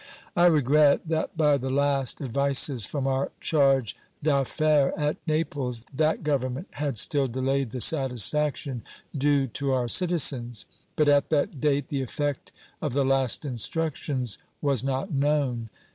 I regret that by the last advices from our charge d'affaires at Naples that Government had still delayed the satisfaction due to our citizens, but at that date the effect of the last instructions was not known.